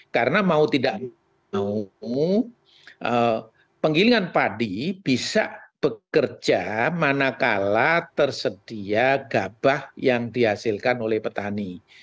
karena mau tidak penggilingan padi bisa bekerja manakala tersedia gabah yang dihasilkan oleh petani